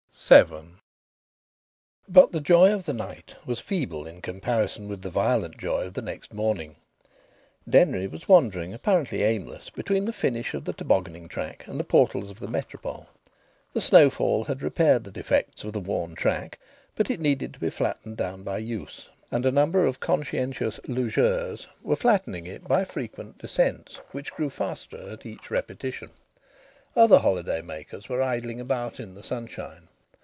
VII But the joy of the night was feeble in comparison with the violent joy of the next morning. Denry was wandering, apparently aimless, between the finish of the tobogganing track and the portals of the Métropole. The snowfall had repaired the defects of the worn track, but it needed to be flattened down by use, and a number of conscientious "lugeurs" were flattening it by frequent descents, which grew faster at each repetition. Other holiday makers were idling about in the sunshine.